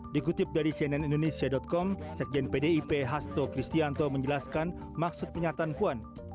dikutip dari cnn indonesia com sekjen pdip hasto kristianto menjelaskan maksud pernyataan puan